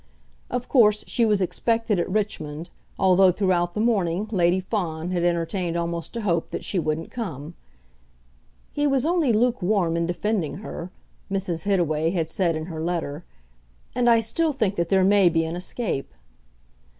Of course she was expected at Richmond, although throughout the morning Lady Fawn had entertained almost a hope that she wouldn't come. "He was only lukewarm in defending her," Mrs. Hittaway had said in her letter, "and I still think that there may be an escape."